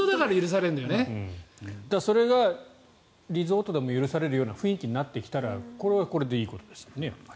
それがリゾートでも許されるような雰囲気になってきたらこれはこれでいいことですよね。